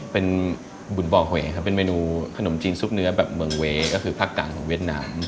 เป็นบุญบ่อหวยครับเป็นเมนูขนมจีนซุปเนื้อแบบเมืองเวย์ก็คือภาคกลางของเวียดนาม